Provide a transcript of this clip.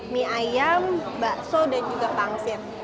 mie ayam bakso dan juga pangsit